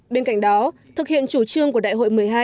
bên cạnh đó thực hiện chủ trương của đại hội một mươi hai